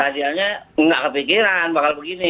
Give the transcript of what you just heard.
radialnya nggak kepikiran bakal begini